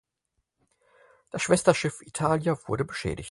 Das Schwesterschiff "Italia" wurde beschädigt.